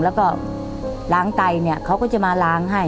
แล้วก็ล้างไตเนี่ยเขาก็จะมาล้างให้